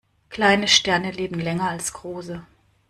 Kleine Sterne leben länger als große.